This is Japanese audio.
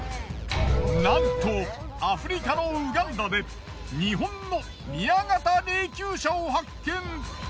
なんとアフリカのウガンダで日本の宮型霊柩車を発見。